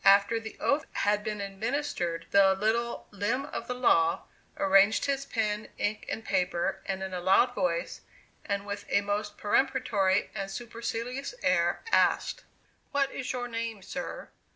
After the oath had been administered the little "limb of the law" arranged his pen, ink and paper, and in a loud voice, and with a most peremptory and supercilious air, asked: "What is your name, sir?"